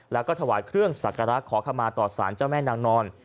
แล้วก็ถวายเครื่องสักการะขอขมาต่อสารเจ้าแม่นางนอน